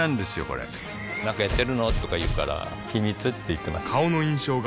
これなんかやってるの？とか言うから秘密って言ってます